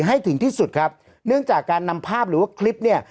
ให้ถึงที่สุดครับเนื่องจากการนำภาพหรือว่าคลิปเนี่ย